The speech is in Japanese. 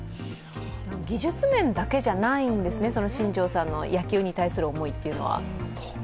技術面だけじゃないんですね、新庄さんの野球に対する思いっていうのは。